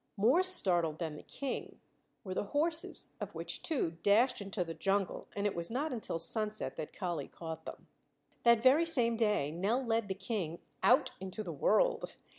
More startled than the King were the horses, of which two dashed into the jungle, and it was not until sunset that Kali caught them. That very same day Nell led the King "out into the world."